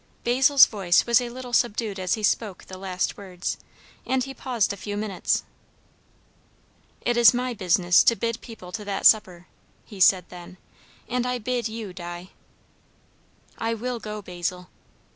Basil's voice was a little subdued as he spoke the last words, and he paused a few minutes. "It is my business to bid people to that supper," he said then; "and I bid you, Di." "I will go, Basil."